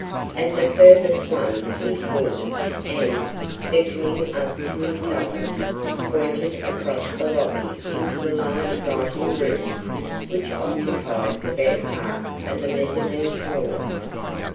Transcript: At the furthest one he paused and, beckoning us to his side, pointed across the lobby into the large writing room which occupied the better part of the mezzanine floor.